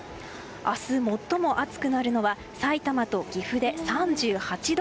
明日、最も暑くなるのはさいたまと岐阜で３８度。